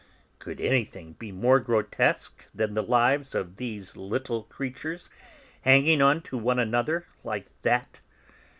"Could anything be more grotesque than the lives of these little creatures, hanging on to one another like that.